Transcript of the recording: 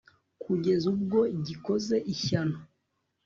kugeza ubwo gikoze ishyano